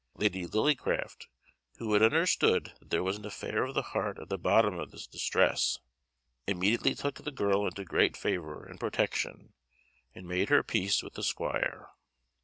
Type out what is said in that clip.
Lady Lillycraft, who had understood that there was an affair of the heart at the bottom of this distress, immediately took the girl into great favour and protection, and made her peace with the squire.